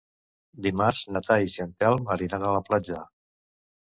Dimarts na Thaís i en Telm aniran a la platja.